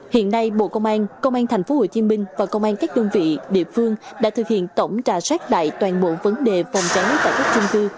hiện nay bộ công an công an thành phố hồ chí minh và công an các đơn vị địa phương đã thực hiện tổng trà sát đại toàn bộ vấn đề phòng cháy chữa cháy tại các trung cư